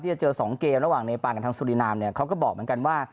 จะเจอสองเกมระหว่างเนปานกับทางสุรินามเนี่ยเขาก็บอกเหมือนกันว่า